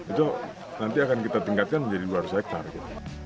itu nanti akan kita tingkatkan menjadi dua ratus hektare